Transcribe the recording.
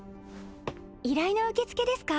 依頼の受け付けですか？